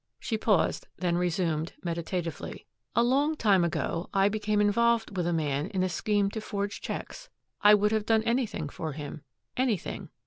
She paused, then resumed, meditatively, "A long time ago I became involved with a man in a scheme to forge checks. I would have done anything for him, anything."